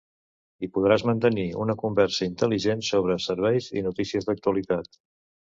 Hi podràs mantenir una conversa intel·ligent sobre serveis i notícies d'actualitat.